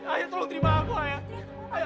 ayo tolong terima aku ayah